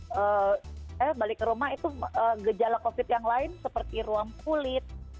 saya balik ke rumah itu gejala covid yang lain seperti ruang kulit